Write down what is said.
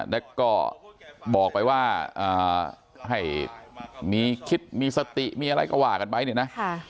แล้วก็บอกไปว่าให้มีคิดมีสติมีอะไรก็ว่ากันไปเนี่ยนะ